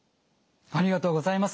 ありがとうございます。